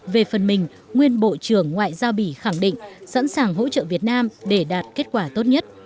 về phần mình nguyên bộ trưởng ngoại giao bỉ khẳng định sẵn sàng hỗ trợ việt nam để đạt kết quả tốt nhất